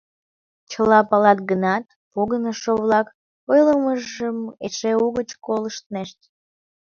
Чыла палат гынат, погынышо-влак ойлымыжым эше угыч колыштнешт.